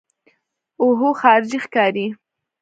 اوهو خارجۍ ښکاري.